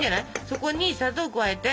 そこに砂糖を加えて。